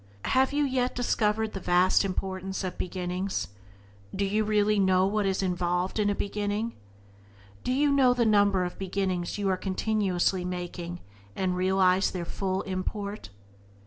Have you yet discovered the vast importance of beginnings? Do you really know what is involved in a beginning? Do you know the number of beginnings you are continuously making, and realize their full import?